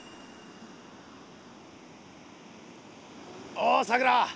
おうさくら！